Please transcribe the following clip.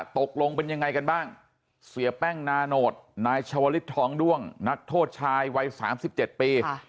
ตกลงเป็นยังไงกันบ้างเสียแป้งนาโนตนายชาวลิศทองด้วงนักโทษชายวัย๓๗ปี